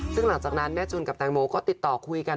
ซึ่งหลังจากนั้นแม่จุนกับแตงโมก็ติดต่อคุยกัน